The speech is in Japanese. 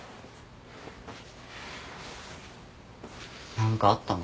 何かあったの？